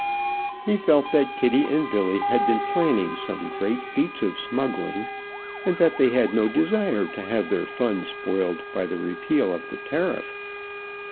He felt that Kitty and Billy had been planning some great feats of smuggling, and that they had no desire to have their fun spoiled by the repeal of the tariff.